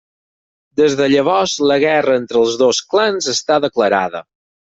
Des de llavors, la guerra entre els dos clans està declarada.